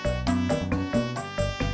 tidak ada yang bisa dihukum